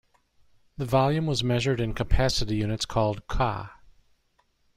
The volume was measured in capacity units called "qa".